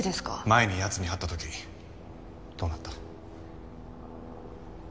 前に奴に会った時どうなった？